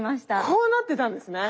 こうなってたんですね。